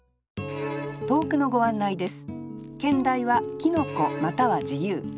投句のご案内です